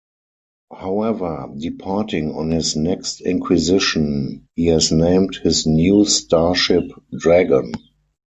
However, departing on his next Inquisition, he has named his new starship "Dragon".